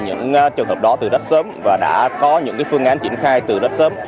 những trường hợp đó từ đất sớm và đã có những phương án triển khai từ đất sớm